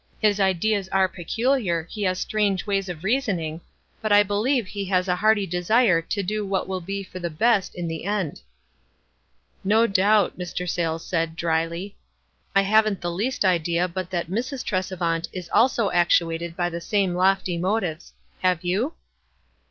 "His ideas are peculiar — he has strange ways of reasoning, but I believe he has a hearty desire to do what will be for the best in the end." "No doubt," Mr. Sayles said, dryly. "I haven't the least idea but that Mrs. Tresevant is also actuated by the same lofty motives. Have you